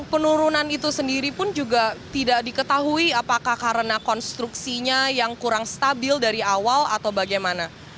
penurunan itu sendiri pun juga tidak diketahui apakah karena konstruksinya yang kurang stabil dari awal atau bagaimana